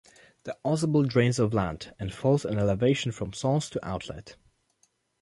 The Ausable drains of land, and falls in elevation from source to outlet.